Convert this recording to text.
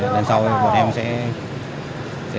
lần sau thì bọn em sẽ